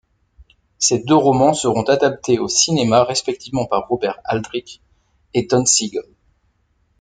Ces deux romans seront adaptés au cinéma respectivement par Robert Aldrich et Don Siegel.